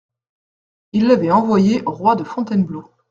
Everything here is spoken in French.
Il l'avait envoyée au roi de Fontainebleau.